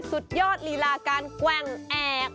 สุดยอดลีลาการแกว่งแอก